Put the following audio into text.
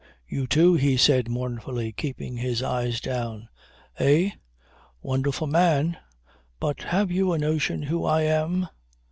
"You too," he said mournfully, keeping his eyes down. "Eh? Wonderful man? But have you a notion who I am?